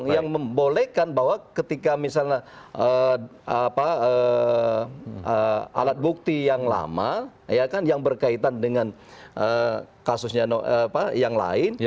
yang membolehkan bahwa ketika misalnya alat bukti yang lama yang berkaitan dengan kasusnya yang lain